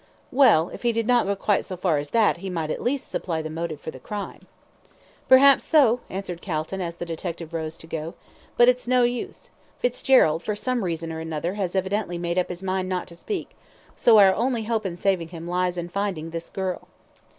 "Well, if he did not go quite so far as that he might at least supply the motive for the crime." "Perhaps so," answered Calton, as the detective rose to go; "but it's no use. Fitzgerald for some reason or another, has evidently made up his mind not to speak, so our only hope in saving him lies in finding this girl."